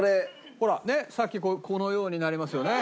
ほらねっさっきこのようになりますよね。